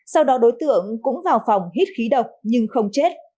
sau đó đối tượng cũng vào phòng hít khí độc nhưng không chết